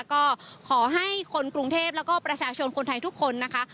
ก็ขอให้คนกรุงเทพแล้วก็ประชาชนคนไทยทุกคนนะคะ